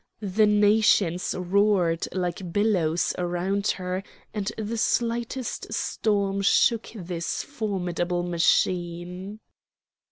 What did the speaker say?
The nations roared like billows around her, and the slightest storm shook this formidable machine.